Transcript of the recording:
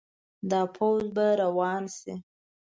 د پوځ به روان شي.